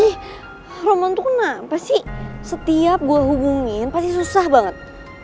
wih roman tuh kenapa sih setiap gue hubungin pasti susah banget